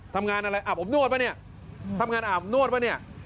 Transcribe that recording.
ทำงานอะไรอาบอบนวดป่ะเนี่ย